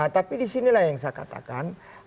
tapi di sinilah yang saya katakan